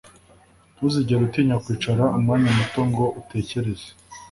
ntuzigere utinya kwicara umwanya muto ngo utekereze